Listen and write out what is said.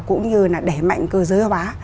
cũng như là đẩy mạnh cơ giới hóa